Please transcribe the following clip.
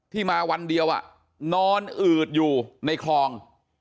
มาวันเดียวนอนอืดอยู่ในคลอง